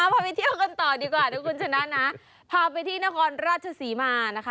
พาไปเที่ยวกันต่อดีกว่าทุกคนฉะนั้นพาไปที่นครราชสีมานะคะ